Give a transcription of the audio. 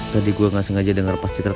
tadi gue gak sengaja denger pas cita cita